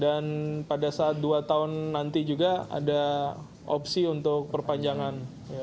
dan pada saat dua tahun nanti juga ada opsi untuk perpanjangan